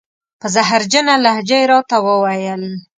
په زهرجنه لهجه یې را ته و ویل: